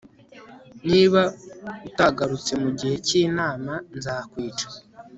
niba utagarutse mugihe cyinama, nzakwica